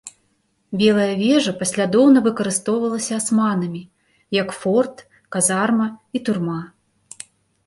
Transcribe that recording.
Белая вежа паслядоўна выкарыстоўвалася асманамі як форт, казарма і турма.